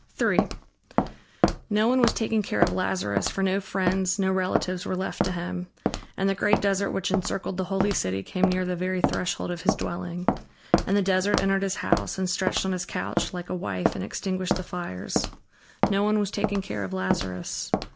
III No one was taking care of Lazarus, for no friends no relatives were left to him, and the great desert which encircled the holy city, came near the very threshold of his dwelling. And the desert entered his house, and stretched on his couch, like a wife and extinguished the fires. No one was taking care of Lazarus.